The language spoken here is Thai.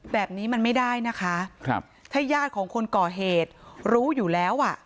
แบบนี้มันไม่ได้นะคะครับถ้าญาติของคนก่อเหตุรู้อยู่แล้วอ่ะ